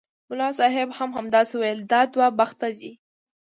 ملا صاحب هم همداسې ویل دا دوه بخته دي.